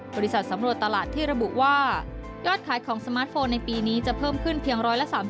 บริษัทสำรวจตลาดที่ระบุว่ายอดขายของสมาร์ทโฟนในปีนี้จะเพิ่มขึ้นเพียง๑๓๐